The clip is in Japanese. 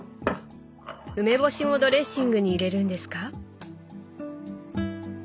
梅干しもドレッシングに入れるんですか？